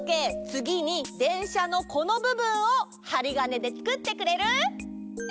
つぎにでんしゃのこのぶぶんをハリガネでつくってくれる？